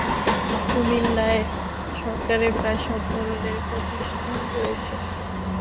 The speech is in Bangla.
কুমিল্লায় সরকারের প্রায় সব ধরনের প্রতিষ্ঠান রয়েছে।